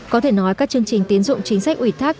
có thể nói các chương trình tiến dụng chính sách ủy thác